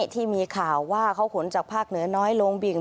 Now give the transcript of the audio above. ที่มีข่าวว่าเขาขนจากภาคเหนือน้อยลงบิ่ง